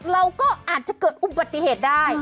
เราก็อาจจะเกิดอุบัติเหตุได้